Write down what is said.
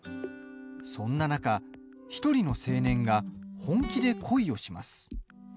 そんな中、１人の青年が本気で恋をします。